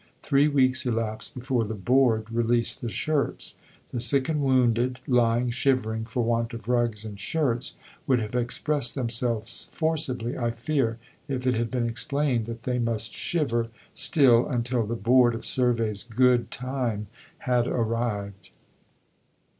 Three weeks elapsed before the Board released the shirts. The sick and wounded, lying shivering for want of rugs and shirts, would have expressed themselves forcibly, I fear, if it had been explained that they must shiver still until the Board of Survey's good time had arrived.